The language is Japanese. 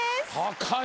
高い。